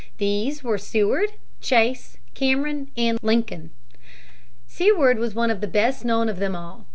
These were Seward, Chase, Cameron, and Lincoln. Seward was the best known of them all.